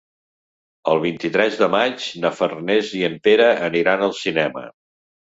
El vint-i-tres de maig na Farners i en Pere aniran al cinema.